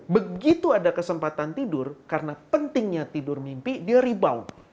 begitu ada kesempatan tidur karena pentingnya tidur mimpi dia ribau